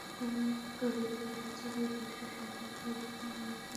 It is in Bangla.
কারণ, কারও দুই বছরের বেশি সাজা হলে তিনি নির্বাচনে অযোগ্য হবেন।